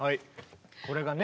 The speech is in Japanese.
これがね